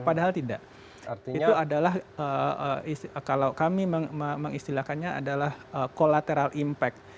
padahal tidak itu adalah kalau kami mengistilahkannya adalah collateral impact